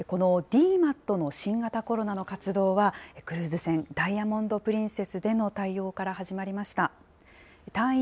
このＤＭＡＴの新型コロナの活動は、クルーズ船、ダイヤモンド・プリンセスでの対応から始まりました。